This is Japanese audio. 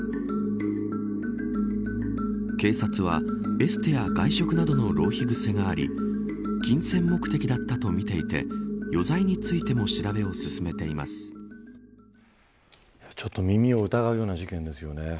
警察は、エステや外食などの浪費癖があり金銭目的だったと見ていて余罪についても調べをちょっと耳を疑うような事件ですよね。